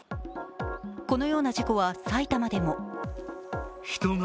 このような事故は埼玉でも。